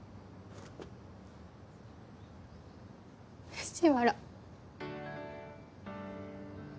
藤原。